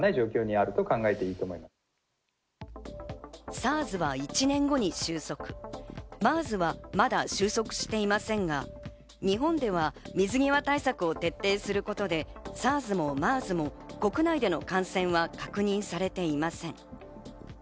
ＳＡＲＳは１年後に収束、ＭＥＲＳはまだ収束していませんが、日本では水際対策を徹底することでＳＡＲＳもＭＥＲＳも国内での感染は確認されていません。